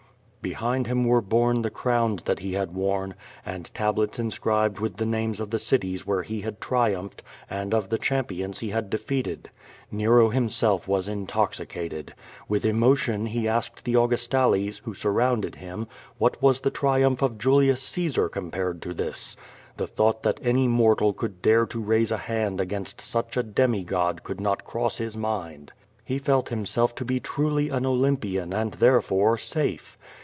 '* Behind him were borne the crowns that he had worn, and tablets inscribed with the names of the cities where he had triumphed and of the champions he had defeated. Xero himself was intoxicated. With emotion he asked the Augustales, who surrounded him, what was the triumph of Julius Caesar compared to this. The thought that any mor tal could dare to raise a hand against such a demigod could not cross his mind. He felt himself to be truly an Olympian and therefore safe.